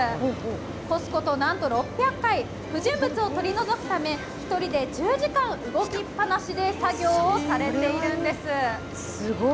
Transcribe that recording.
こすことなんと６００回、不純物を取り除くため、１人で１０時間、動きっぱなしで作業をされているんです。